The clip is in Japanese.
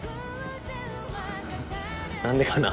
何でかな。